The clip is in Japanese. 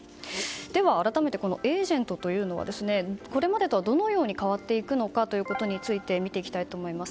では、改めてエージェントというのはこれまでとどのように変わっていくのかということについて見ていきたいと思います。